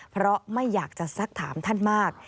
เพราะไม่อยากจะสักถามท่านมาก